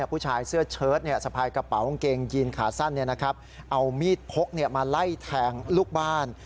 ผู้ชายเสื้อเชิดสะพายกระเป๋ากางเกงยีนขาสั้นเอามีดพกมาไล่แทงลูกบ้าน